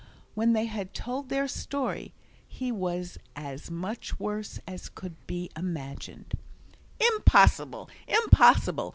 When they had told their story, he was as much worse as could well be imagined. "Impossible, impossible!"